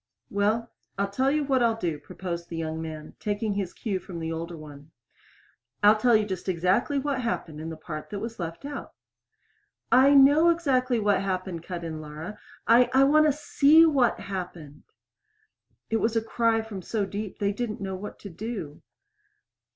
"Well, I'll tell you what I'll do," proposed the young man, taking his cue from the older one. "I'll tell you just exactly what happened in the part that was left out." "I know exactly what happened," cut in Laura. "I I want to see what happened." It was a cry from so deep that they didn't know what to do.